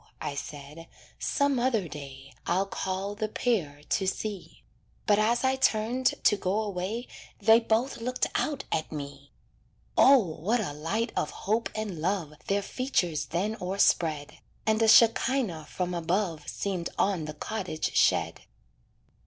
I said, "some other day I'll call the pair to see." But as I turned to go away They both looked out at me. O! what a light of hope and love Their features then o'erspread; And a shekinah from above Seemed on the cottage shed.